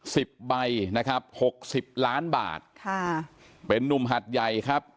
สิบใบนะครับหกสิบล้านบาทค่ะเป็นนุ่มหัดใหญ่ครับ